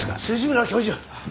辻村教授！